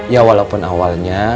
ya walaupun awalnya